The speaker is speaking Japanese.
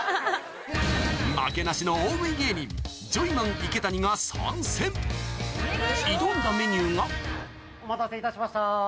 負けなしの大食い芸人ジョイマン・池谷が参戦挑んだメニューがお待たせいたしました。